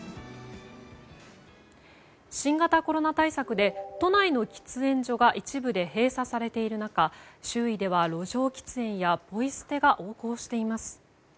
新型コロナ対策で都内の喫煙所が一部で閉鎖されている中周囲では路上喫煙やポイ捨てが横行しています。